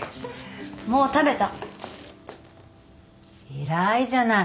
偉いじゃない。